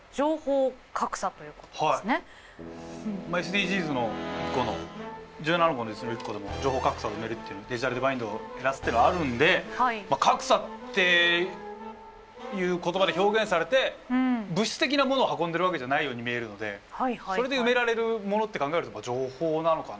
ＳＤＧｓの１個の１７個のうちの１個でも情報格差を埋めるっていうのデジタルデバイドを減らすってのはあるんで格差っていう言葉で表現されて物質的なものを運んでるわけじゃないように見えるのでそれで埋められるものって考えると情報なのかな。